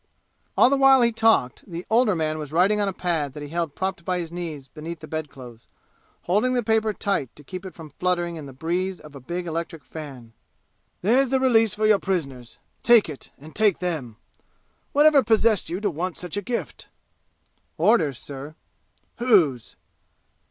All the while he talked the older man was writing on a pad that he held propped by his knees beneath the bedclothes, holding the paper tight to keep it from fluttering in the breeze of a big electric fan. "There's the release for your prisoners. Take it and take them! Whatever possessed you to want such a gift?" "Orders, sir." "Whose?"